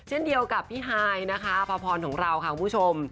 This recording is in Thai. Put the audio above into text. เช่นเดียวกับพี่ฮายนะคะพระพรของเราค่ะคุณผู้ชม